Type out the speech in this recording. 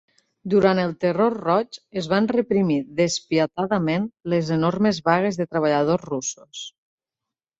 Durant el Terror Roig es van reprimir despietadament les enormes vagues de treballadors russos.